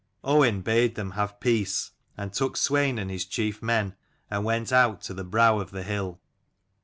" Owain bade them have 54 peace : and took Swein and his chief men, and went out to the brow of the hill.